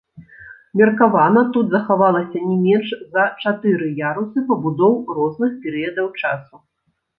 Меркавана тут захавалася не менш за чатыры ярусы пабудоў розных перыядаў часу.